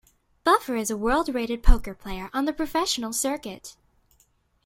Buffer is a world-rated poker player on the professional circuit.